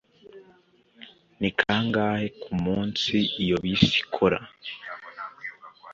Ni kangahe kumunsi iyo bisi ikora